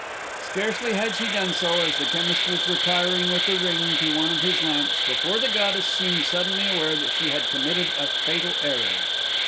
Scarcely had she done so, as the chemist was retiring with the ring to one of his lamps, before the goddess seemed suddenly aware that she had committed a fatal error.